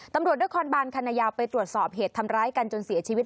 ตำรวจนครบานคันยาวไปตรวจสอบเหตุทำร้ายกันจนเสียชีวิต